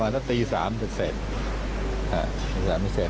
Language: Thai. มาติสามเหลือเสร็จสาปนี้เสร็จ